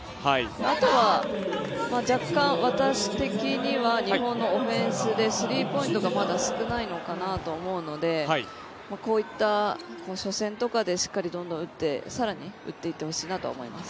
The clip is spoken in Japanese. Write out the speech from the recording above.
あとは若干、私的には日本のオフェンスでスリーポイントがまだ少ないのかなと思うのでこういった初戦とかでしっかりどんどん打ってさらに打ってほしいと思います。